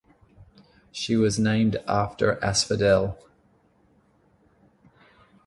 She was named after Asphodel.